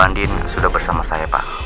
andin sudah bersama saya pak